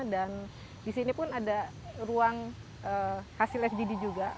dan di sini pun ada ruang hasil fdd juga